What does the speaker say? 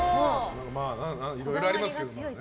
いろいろありますけどね。